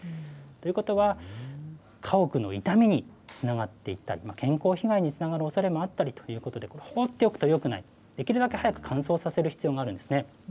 ということは、家屋の傷みにつながっていったり、健康被害につながるおそれもあったりということで、放っておくとよくない、できるだけ早く乾燥させる必要があるんですね。